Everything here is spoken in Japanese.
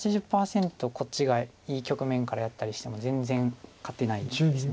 こっちがいい局面からやったりしても全然勝てないんです。